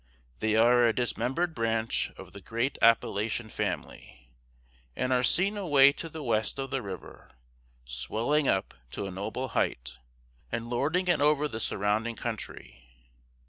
They are a dismembered branch of the great Appalachian family, and are seen away to the west of the river, swelling up to a noble height, and lording it over the surrounding country.